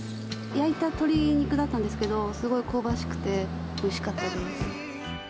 焼いた鶏肉だったんですけど、すごい香ばしくて、おいしかったです。